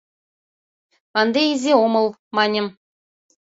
«Ынде изи омыл, — маньым.